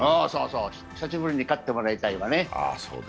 久しぶりに勝ってもらいたいわね。